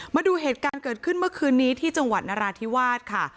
มาดูเหตุการณ์เกิดขึ้นเมื่อคืนนี้ที่จังหวัดนราธิวาสค่ะ